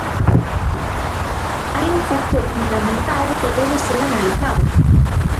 Hai un factor fundamental que debe ser analizado.